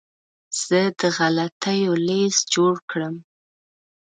زه د غلطیو لیست جوړ کړم.